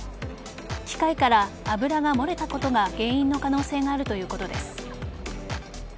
機械から油が漏れたことが原因の可能性があるということです。